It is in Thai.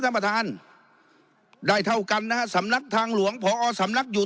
ท่านประธานได้เท่ากันนะฮะสำนักทางหลวงพอสำนักอยู่